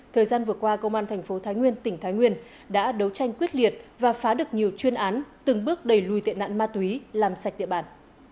thời gian vừa qua công an thành phố thái nguyên tỉnh thái nguyên đã đấu tranh quyết liệt và phá được nhiều chuyên án từng bước đẩy lùi tệ nạn ma túy làm sạch địa bàn